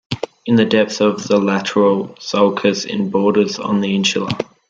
In the depth of the lateral sulcus it borders on the insula.